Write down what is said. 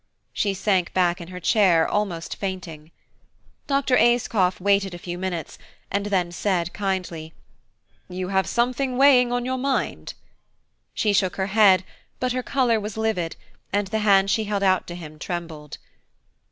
She sank back in her chair, almost fainting. Dr. Ayscough waited a few minutes, and then said kindly, "You have something weighing on your mind." She shook her head, but her colour was livid, and the hand she held out to him trembled.